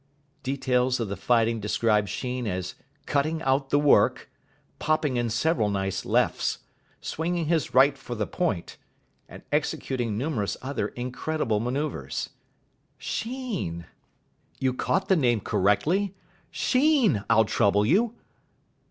_ Details of the fighting described Sheen as "cutting out the work", "popping in several nice lefts", "swinging his right for the point", and executing numerous other incredible manoeuvres. Sheen! You caught the name correctly? SHEEN, I'll trouble you.